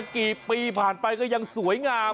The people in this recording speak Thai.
กี่ปีผ่านไปก็ยังสวยงาม